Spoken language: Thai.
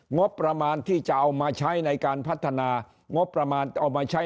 งบประมาณที่จะเอามาใช้ในการพัฒนางบประมาณเอามาใช้